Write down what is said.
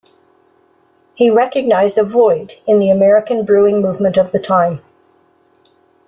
He recognized a void in the American Brewing movement of the time.